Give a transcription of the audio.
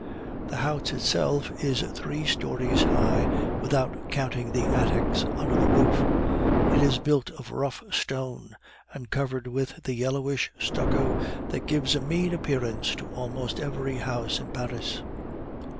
The house itself is three stories high, without counting the attics under the roof. It is built of rough stone, and covered with the yellowish stucco that gives a mean appearance to almost every house in Paris.